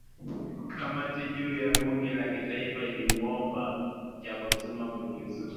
kamati kuu ya bunge la kitaifa ilimuomba jacob zuma kujiuzulu